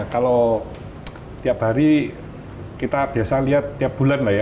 kalau tiap hari kita biasa lihat tiap bulan lah ya